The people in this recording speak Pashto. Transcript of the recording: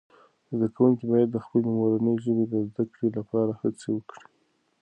زده کوونکي باید د خپلې مورنۍ ژبې د زده کړې لپاره هڅه وکړي.